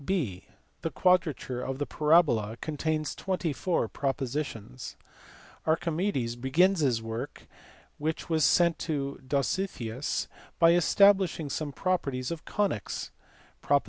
(6) The Quadrature of the Parabola contains twenty four propositions. Archimedes begins this work, which was sent to Dositheus, by establishing some properties of conies (props.